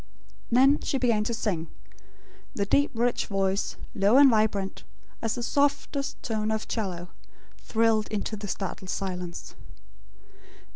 Then she began to sing. The deep rich voice, low and vibrant, as the softest tone of 'cello, thrilled into the startled silence.